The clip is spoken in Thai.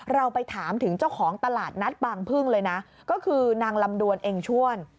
เราไปถามถึงเจ้าของตลาดนัดบางพึ่งเลยนะก็คือนางลำดวนเองชวน